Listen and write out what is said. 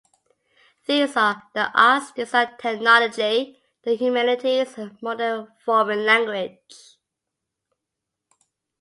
These are: the Arts; Design and Technology; the Humanities; and a Modern Foreign Language.